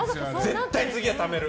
絶対次はためる！